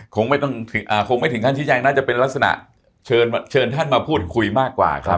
คงไม่ถึงท่านชิ้นแจ้งเป็นลักษณะเชิญมาพูดคุยมากกว่าครับ